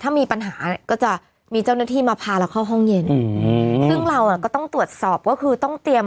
ถ้ามีปัญหาก็จะมีเจ้าหน้าที่มาพาเราเข้าห้องเย็นอืมซึ่งเราอ่ะก็ต้องตรวจสอบก็คือต้องเตรียม